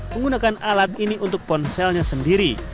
menggunakan alat ini untuk ponselnya sendiri